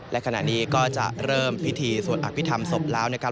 และขณะนี้ก็จะเริ่มพิธีสวดอภิษฐรรมศพแล้วนะครับ